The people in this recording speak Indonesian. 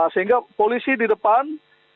sehingga polisi di depan